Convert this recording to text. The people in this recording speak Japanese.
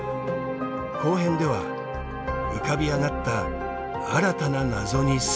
後編では浮かび上がった新たな謎に迫る。